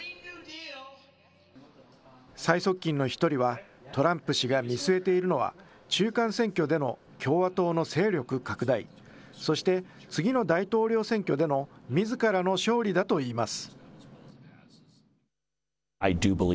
最側近の一人は、トランプ氏が見据えているのは、中間選挙での共和党の勢力拡大、そして次の大統領選挙でのみずからの勝利だといいます。